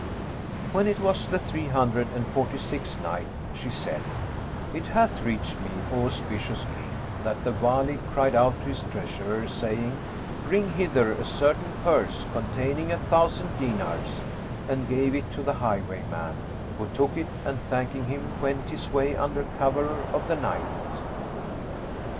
When it was the Three Hundred and Forty sixth Night, She said, It hath reached me, O auspicious King, that the Wali cried out to his treasurer, saying "Bring hither a certain purse containing a thousand dinars; and gave it to the highwayman, who took it and thanking him, went his way under cover of the night.